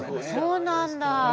そうなんだ。